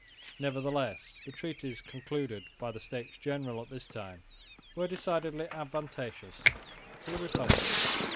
Nevertheless the treaties concluded by the States General at this time were decidedly advantageous to the Republic.